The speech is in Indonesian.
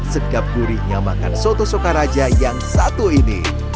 segap gurihnya makan soto sokaraja yang satu ini